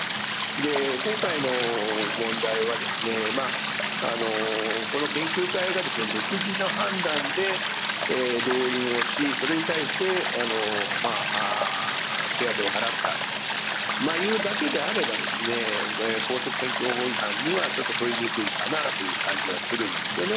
今回の問題は、この研究会が独自の判断で動員をし、それに対して手当を払った、いうだけであれば、公職選挙法違反にはちょっと問いにくいかなという感じはするんですよね。